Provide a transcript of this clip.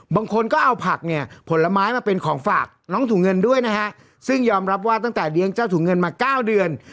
บางคนก็เอาผักเนี่ยผลไม้มาเป็นของฝากน้องถุงเงินด้วยนะฮะซึ่งยอมรับว่าตั้งแต่เลี้ยงเจ้าถุงเงินมา๙เดือน